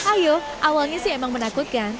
ayo awalnya sih emang menakutkan